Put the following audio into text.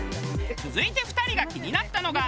続いて２人が気になったのが。